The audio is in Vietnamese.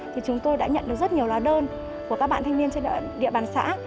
thì chúng tôi đã nhận được rất nhiều lá đơn của các bạn thanh niên trên địa bàn xã